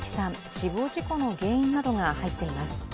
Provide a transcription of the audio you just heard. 死亡事故の原因などが入っています。